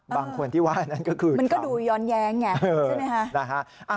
บางคนที่ว่ายนั้นก็คือมันก็ดูย้อนแย้งไงใช่ไหมคะ